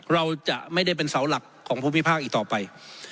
เราจะไม่ได้เป็นเสาหลักของภูมิภาคอีกต่อไป